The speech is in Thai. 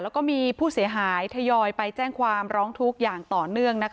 แล้วก็มีผู้เสียหายทยอยไปแจ้งความร้องทุกข์อย่างต่อเนื่อง